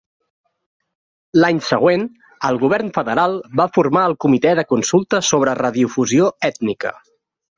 L'any següent, el Govern Federal va formar el Comitè de consulta sobre radiodifusió ètnica.